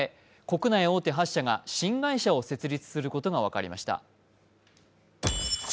国内大手８社が新会社を設立することが分かりました。